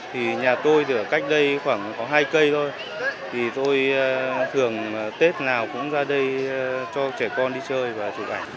thì nhà tôi thì ở cách đây khoảng có hai cây thôi thì tôi thường tết nào cũng ra đây cho trẻ con đi chơi và chụp ảnh